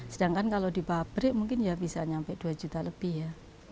sedangkan kalau di pabrik mungkin ya bisa nyampe dua juta lebih ya